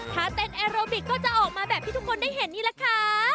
ถ้าเต้นแอโรบิกก็จะออกมาแบบที่ทุกคนได้เห็นนี่แหละค่ะ